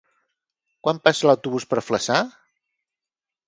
Quan passa l'autobús per Flaçà?